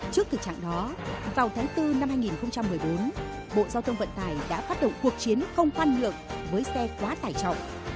trước thực trạng đó vào tháng bốn năm hai nghìn một mươi bốn bộ giao thông vận tải đã phát động cuộc chiến không khoan nhượng với xe quá tải trọng